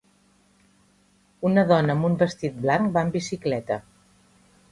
Una dona amb un vestit blanc va en bicicleta.